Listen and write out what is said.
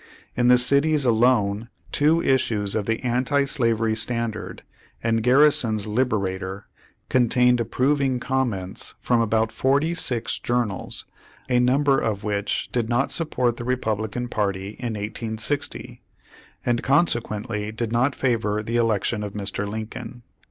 In the cities alone, two issues of the Anti Slavery Standard and Garrison's Liberator contained ap proving comments from about forty six journals, a number of which did not support the Repub lican party in 1860, and consequently did not favor the election of Mr. Lincoln.